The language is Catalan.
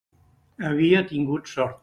Havia tingut sort.